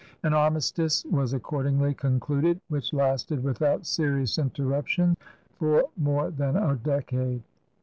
An armistice was accordingly concluded, which lasted without serious interruption for more than a decade.